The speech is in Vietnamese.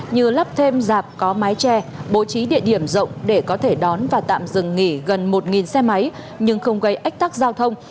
như lắp thêm dạp có mái che bố trí địa điểm rộng để có thể đón và tạm dừng nghỉ gần một xe máy nhưng không gây ách tắc giao thông